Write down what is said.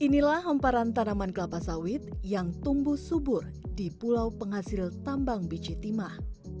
inilah hemparan tanaman kelapa sawit yang tumbuh subur di pulau penghasil tambang bicetimah